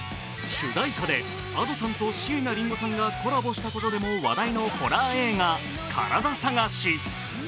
主題歌でＡｄｏさんと椎名林檎さんがコラボしたことでも話題のホラー映画「カラダ探し」。